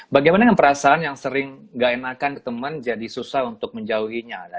bagaimana dengan perasaan yang sering gak enakan ke temen jadi susah untuk menjauhinya ada apa